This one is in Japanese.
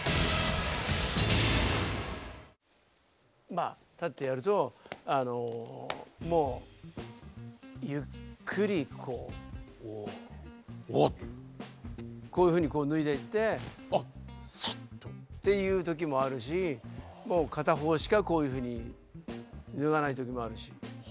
まあ立ってやるとあのもうゆっくりこうこういうふうにこう脱いでいってっていう時もあるし片方しかこういうふうに脱がない時もあるし。